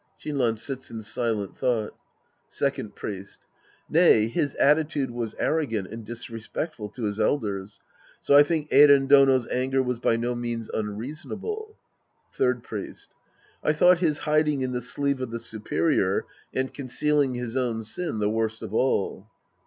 (Shinran sits in silent thought.) Second Priest. Nay, his attitude was arrogant and disrespectful to his elders. So I think Eiren Dono's anger was by no means unreasonable. Third Priest. I thought his hiding in the sleeve of the superior and concealing his own sin the worst of all.